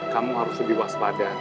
kamu harus lebih waspada